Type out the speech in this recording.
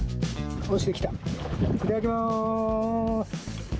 いただきます。